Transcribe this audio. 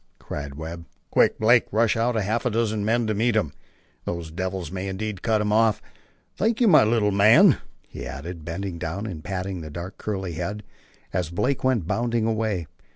cried Webb. "Quick, Blake; rush out half a dozen men to meet him. Those devils may indeed cut him off. Thank you, my little man," he added, bending down and patting the dark curly head, as Blake went bounding away.